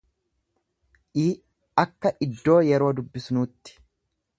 i akka iddoo yeroo dubbisnuutti.